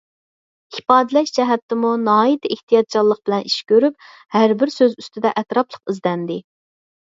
ئىپادىلەش جەھەتتىمۇ ناھايىتى ئېھتىياتچانلىق بىلەن ئىش كۆرۈپ، ھەربىر سۆز ئۈستىدە ئەتراپلىق ئىزدەندى.